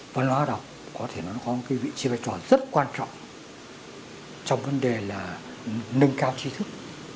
văn hóa đọc có thể nó có một vị trí vai trò rất quan trọng trong vấn đề là nâng cao tri thức